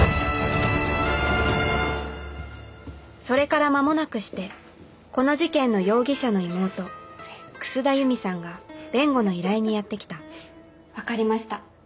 それから間もなくしてこの事件の容疑者の妹楠田悠美さんが弁護の依頼にやって来た分かりました。